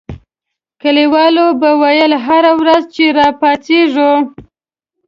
کلیوالو به ویل هره ورځ چې را پاڅېږو.